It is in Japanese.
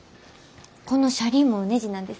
この車輪もねじなんです。